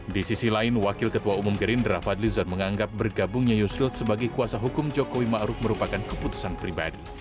di sisi lain wakil ketua umum gerindra fadli zon menganggap bergabungnya yusril sebagai kuasa hukum jokowi ma'ruf merupakan keputusan pribadi